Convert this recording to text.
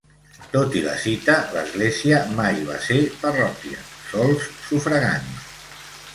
Tot i la cita, l'església mai va ser parròquia, sols sufragània.